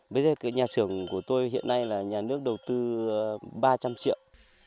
bây giờ nhà xưởng của tôi hiện nay là nhà nước đầu tư ba trăm linh triệu